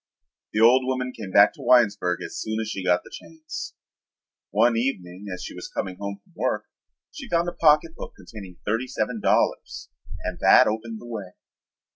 The old woman came back to Winesburg as soon as she got the chance. One evening as she was coming home from work she found a pocket book containing thirty seven dollars, and that opened the way.